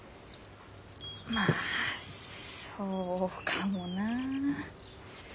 まあそうかもなあ。